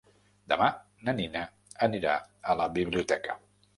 Demà na Nina anirà a la biblioteca.